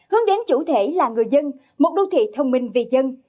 hướng đến chủ thể là người dân một đô thị thông minh vì dân